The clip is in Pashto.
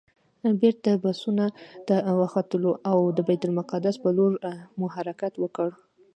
بېرته بسونو ته وختلو او د بیت المقدس پر لور مو حرکت وکړ.